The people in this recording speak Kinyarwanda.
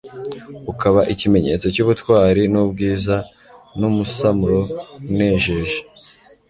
ukaba ikimenyetso cy'ubutwari n'ubwiza n'umusamro unejeje.